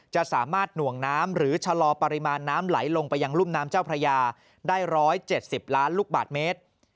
จะสามารถหน่วงน้ำหรือชะลอปริมาณน้ำไหลลงไปยังรุ่มน้ำเจ้าพระยาได้๑๗๐ล้านลูกบาทเมตร